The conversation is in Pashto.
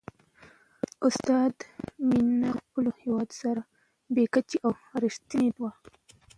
د استاد مینه له خپل هېواد سره بې کچې او رښتینې وه.